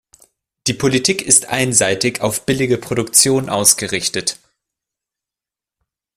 Die Politik ist einseitig auf billige Produktion ausgerichtet.